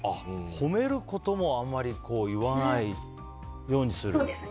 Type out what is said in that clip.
褒めることもあまり言わないようにする。